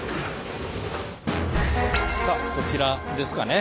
さあこちらですかね。